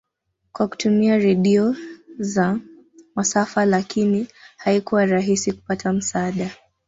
kwa kutumia radio za masafa lakini haikuwa rahisi kupata msaada